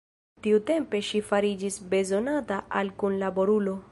Tiutempe ŝi fariĝis bezonata al kunlaborulo.